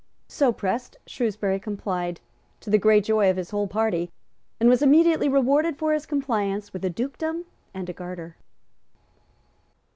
So pressed, Shrewsbury complied, to the great joy of his whole party; and was immediately rewarded for his compliance with a dukedom and a garter.